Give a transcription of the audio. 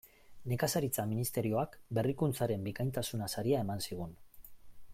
Nekazaritza Ministerioak Berrikuntzaren bikaintasuna saria eman zigun.